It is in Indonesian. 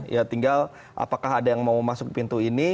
ya tinggal apakah ada yang mau masuk pintu ini